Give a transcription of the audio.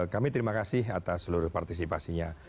kami terima kasih atas seluruh partisipasinya